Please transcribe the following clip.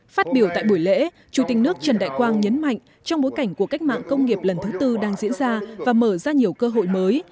phát biểu tại buổi lễ chủ tịch nước trần đại quang nhấn mạnh trong bối cảnh của cách mạng công nghiệp lần thứ tư đang diễn ra và mở ra nhiều cơ hội mới